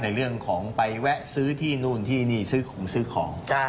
ในเรื่องของไปแวะซื้อที่นู่นที่นี่ซื้อของซื้อของ